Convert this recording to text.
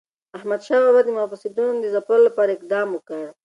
احمدشاه بابا د مفسدینو د ځپلو لپاره اقدام وکړ.